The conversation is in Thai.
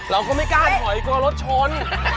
เราก็ไม่กล้าถอยกลัวรถชน